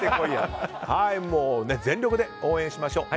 全力で応援しましょう。